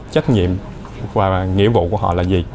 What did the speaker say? trách nhiệm và nghĩa vụ của họ là gì